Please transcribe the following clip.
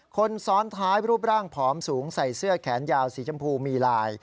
คนซ้อนท้ายรูปร่างผอมสูงใส่เสื้อแขนยาวสีชมพูมีลาย